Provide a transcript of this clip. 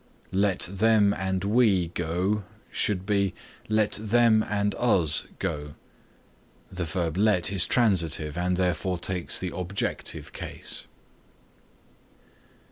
"Let them and we go" should be "Let them and us go." The verb let is transitive and therefore takes the objective case.